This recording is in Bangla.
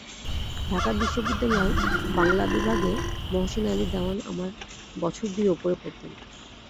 ঢাকা বিশ্ববিদ্যালয় বাংলা বিভাগে মহসীন আলী দেওয়ান আমার বছর দুই ওপরে পড়তেন।